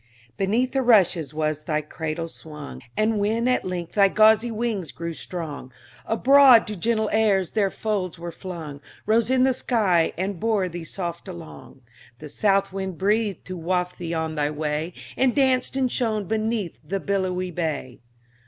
Beneath the rushes was thy cradle swung, And when at length thy gauzy wings grew strong, Abroad to gentle airs their folds were flung, Rose in the sky and bore thee soft along; The south wind breathed to waft thee on thy way, And danced and shone beneath the billowy bay.